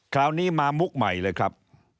คราวนี้มามุกใหม่เลยครับ